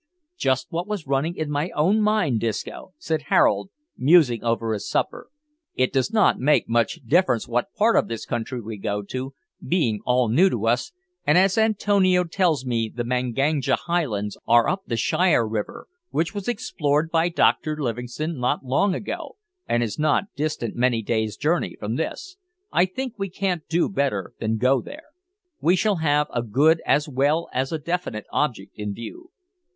"Just what was running in my own mind, Disco," said Harold, musing over his supper. "It does not make much difference what part of this country we go to, being all new to us; and as Antonio tells me the Manganja highlands are up the Shire river, which was explored by Dr Livingstone not long ago, and is not distant many days' journey from this, I think we can't do better than go there. We shall have a good as well as a definite object in view."